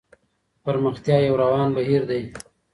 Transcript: پرمختيا يو روان بهير دی.